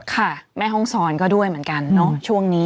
ค่ะแม่ห้องซ้อนก็ด้วยเหมือนกันเนอะช่วงนี้